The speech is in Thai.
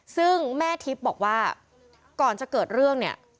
ซึ่งแม่ทิพย์บอกว่าก่อนจะเกิดเรื่องเนี่ย